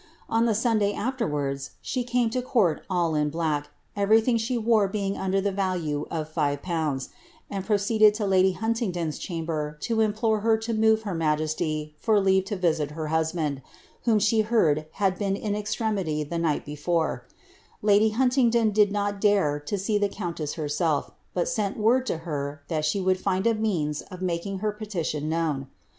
On the Sunday afterwards, she came to court all in blaf t, everything she wore being under the value of five fiounds, and pf* reeded to lady Huntingdon's chamber to implore her lo move her ms 'Sidne Paper*. » A.ntu,^eitti^ oi ^" i ■Buch. BLIXABKTH. 181 nty for leave to visit her husband, whom she heard had been in eztre* ■hy the night before. Lady Huntingdon did not dare to see the eoun« BM herself, but sent word to her that she would find a means of making ler petition known.